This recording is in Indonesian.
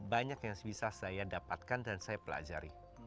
banyak yang bisa saya dapatkan dan saya pelajari